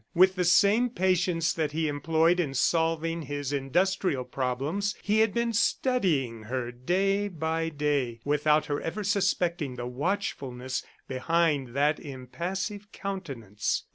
With the same patience that he employed in solving his industrial problems, he had been studying her day by day, without her ever suspecting the watchfulness behind that impassive countenance.